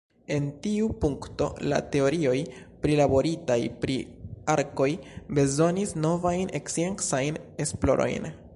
En tiu punkto la teorioj prilaboritaj pri arkoj bezonis novajn sciencajn esplorojn.